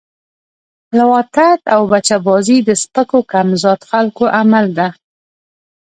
لواطت او بچه بازی د سپکو کم ذات خلکو عمل ده